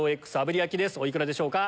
お幾らでしょうか？